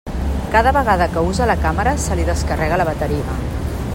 Cada vegada que usa la càmera se li descarrega la bateria.